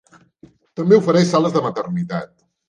També ofereix sales de maternitat.